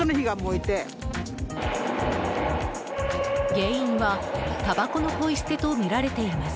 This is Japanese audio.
原因は、たばこのポイ捨てとみられています。